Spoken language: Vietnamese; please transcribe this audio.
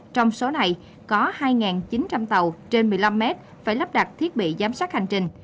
trong số này có hai chín trăm linh tàu trên một mươi năm mét phải lắp đặt thiết bị